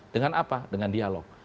dengan apa dengan dialog